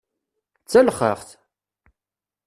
D talexxaxt!